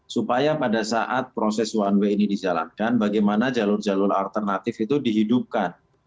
supaya pada saat proses one way ini dijalankan bagaimana jalur jalur alternatif itu dihidupkan